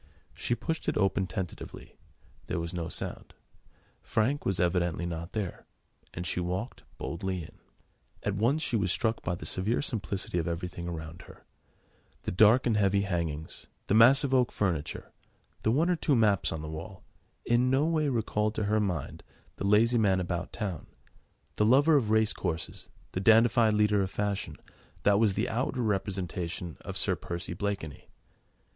She pushed it open tentatively: there was no sound: Frank was evidently not there, and she walked boldly in. At once she was struck by the severe simplicity of everything around her: the dark and heavy hangings, the massive oak furniture, the one or two maps on the wall, in no way recalled to her mind the lazy man about town, the lover of race courses, the dandified leader of fashion, that was the outward representation of Sir Percy Blakeney.